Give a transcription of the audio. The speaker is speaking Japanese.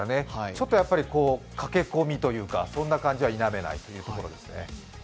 ちょっと駆け込みというか、そんな感じは否めないというところですね。